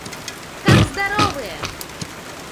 Как здоровые!